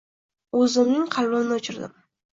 Oʻzimning qalbimni oʻchirdim.